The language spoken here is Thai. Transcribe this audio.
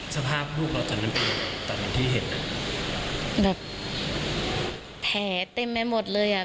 สภาพลูกเราตรงนั้นเป็นอยู่ตรงที่เห็นอ่ะแบบแผลเต็มไปหมดเลยอ่ะ